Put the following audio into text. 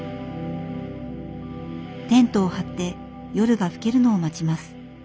テントを張って夜が更けるのを待ちます。